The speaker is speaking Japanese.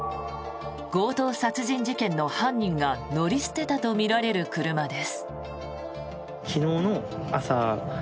強盗殺人事件の犯人が乗り捨てたとみられる車です。